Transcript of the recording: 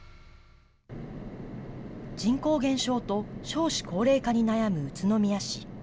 人口減少と少子高齢化に悩む宇都宮市。